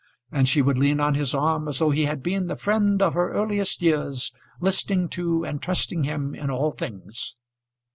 And she would lean on his arm as though he had been the friend of her earliest years, listening to and trusting him in all things.